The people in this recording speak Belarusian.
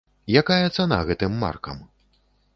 Якая цана гэтым маркам?